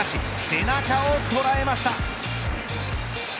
背中を捉えました。